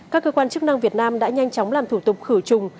các cơ quan chức năng việt nam đã nhanh chóng làm thủ tục khử trùng